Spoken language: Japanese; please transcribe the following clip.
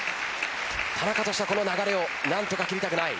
田中としては、この流れを何とか切りたくない。